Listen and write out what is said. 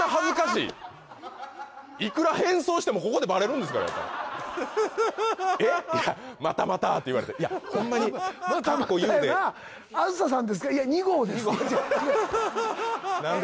いくら変装してもここでバレるんですから「えっ？またまた」って言われて「いやほんまにで」